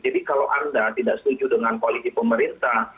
jadi kalau anda tidak setuju dengan koalisi pemerintah